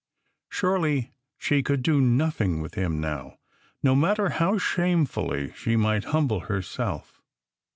Surely she could do nothing with him now, no matter how shamefully she might humble her self.